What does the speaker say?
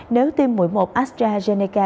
nếu tiêm mũi một astrazeneca